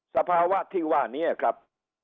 สภาวะที่ว่านี้ครับ